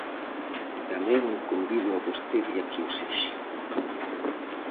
Tamén o convido a vostede a que o sexa.